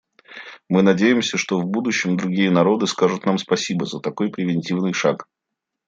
Мы надеемся, что в будущем другие народы скажут нам спасибо за такой превентивный шаг.